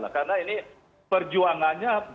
karena ini perjuangannya